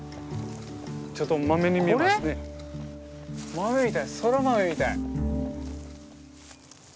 豆みたいそら豆みたい。